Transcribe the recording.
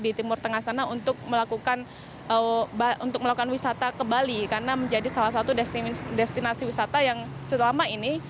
di timur tengah sana untuk melakukan untuk melakukan wisata ke bali karena menjadi salah satu destinasi wisata yang selama ini